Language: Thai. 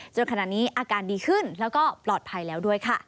จนขณะนี้อาการดีขึ้นแล้วก็ปลอดภัยแล้วด้วยค่ะ